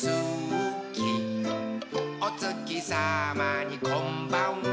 「おつきさまにこんばんは」